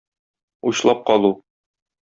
Учлап калу.